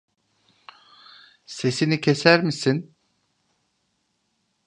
Sesini keser misin?